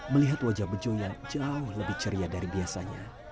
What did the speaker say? melihat wajah bejo yang jauh lebih ceria dari biasanya